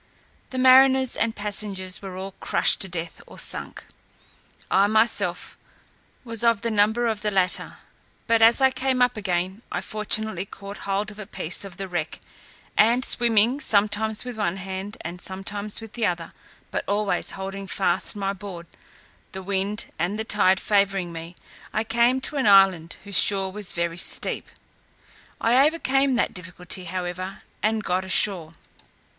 The mariners and passengers were all crushed to death, or sunk. I myself was of the number of the latter; but as I came up again, I fortunately caught hold of a piece of the wreck, and swimming sometimes with one hand, and sometimes with the other, but always holding fast my board, the wind and the tide favouring me, I came to an island, whose shore was very steep. I overcame that difficulty, however, and got ashore.